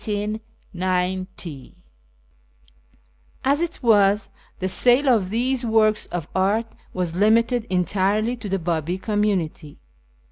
ISFAHAN 209 As it was, the sale of these works of art was limited entirely to the Babi community.